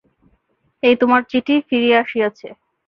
এই তোমার চিঠি ফিরিয়া আসিয়াছে।